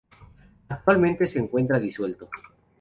Actualmente se encuentra disuelto.